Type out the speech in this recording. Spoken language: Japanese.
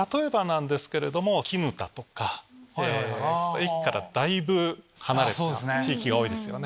駅からだいぶ離れた地域が多いですよね。